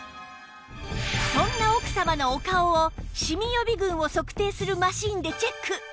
そんな奥様のお顔をシミ予備軍を測定するマシンでチェック！